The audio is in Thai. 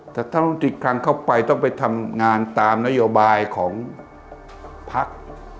แต่ถ้าต้องติดครั้งเข้าไปต้องไปทำงานตามนโยบายของพักษ์